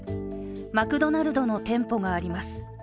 マクドナルドの店舗があります。